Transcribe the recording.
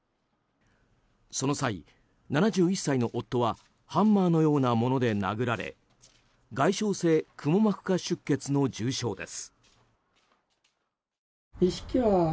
その際、７１歳の夫はハンマーのようなもので殴られ外傷性くも膜下出血の重傷です。